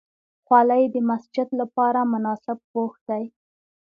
خولۍ د مسجد لپاره مناسب پوښ دی.